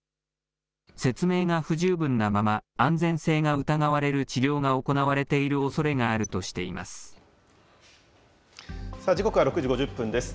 説明が不十分なまま安全性が疑われる治療が行われているおそれが時刻は６時５０分です。